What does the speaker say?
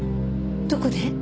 どこで？